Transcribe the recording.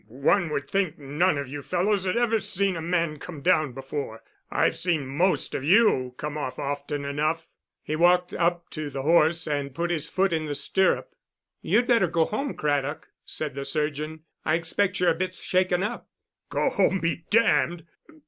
"One would think none of you fellows had ever seen a man come down before. I've seen most of you come off often enough." He walked up to the horse, and put his foot in the stirrup. "You'd better go home, Craddock," said the surgeon. "I expect you're a bit shaken up." "Go home be damned.